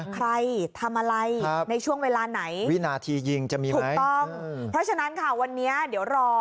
ใครทำอะไรในช่วงเวลาไหนวินาทียิงจะมีถูกต้องเพราะฉะนั้นค่ะวันนี้เดี๋ยวรอ